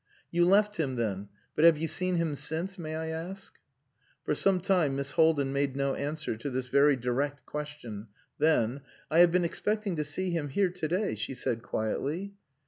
"You left him, then. But have you seen him since, may I ask?" For some time Miss Haldin made no answer to this very direct question, then "I have been expecting to see him here to day," she said quietly.